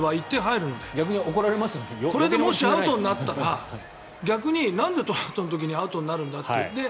これでもしアウトになったら逆になんでトラウトの時にアウトになるんだって。